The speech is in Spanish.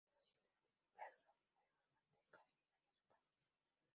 Los ingredientes empleados son huevos, manteca, harina y azúcar.